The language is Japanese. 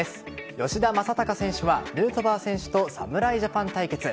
吉田正尚選手はヌートバー選手と侍ジャパン対決。